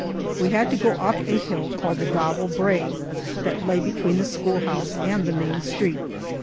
We had to go up a hill called the Davel Brae that lay between the schoolhouse and the main street.